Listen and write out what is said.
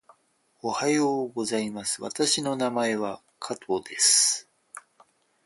おはようございます。私の名前は加藤です。